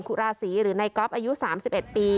ุราศีหรือในก๊อฟอายุ๓๑ปี